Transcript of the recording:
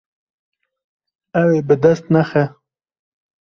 Ew ê bi dest nexe.